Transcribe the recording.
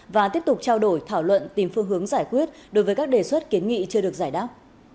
và tiếp tục trao đổi thảo luận tìm phương hướng giải quyết đối với các đề xuất kiến nghị chưa được giải đáp